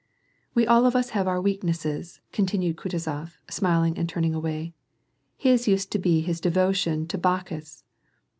"*" We all of us have our weaknesses." continued Kutuzof, smiling and turning away. " His used to be his devotion to Bacchus."